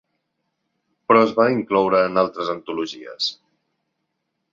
Però es van incloure en altres antologies.